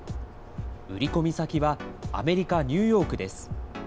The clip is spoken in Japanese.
売り込み先はアメリカ・ニューヨークです。